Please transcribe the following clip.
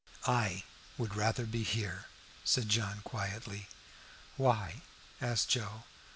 "I would rather be here," said John quietly. "Why?" asked Joe.